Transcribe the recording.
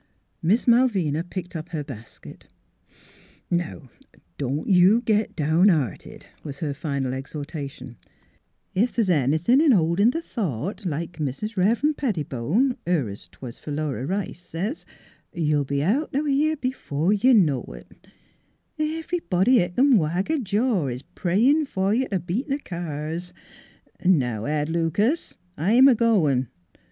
Miss Malvina picked up her basket. " Now, don't you git down hearted," was her final exhortation. " Ef th's anythin' in holdin' th' thought, like Mis' Rev'ren' Pettibone her 'twas Philura Rice says, you'll be out o' here b'fore you know it. Ev'rybody 'at c'n wag a jaw is prayin' fer you t' beat th' cars. ... Now, Ed Lucas, I'm a goin'.